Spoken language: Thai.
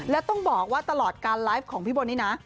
และต้องบอกว่าตลอดการไลฟ์ของพี่บนนี้นะ